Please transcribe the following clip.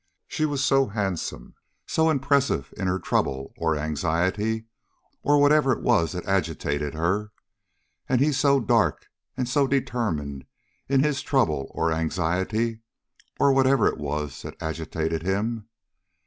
She was so handsome, so impressive in her trouble or anxiety, or whatever it was that agitated her, and he so dark, and so determined in his trouble or anxiety, or whatever it was that agitated him.